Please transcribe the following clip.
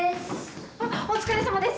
あっお疲れさまです！